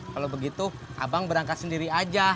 kalau begitu abang berangkat sendiri aja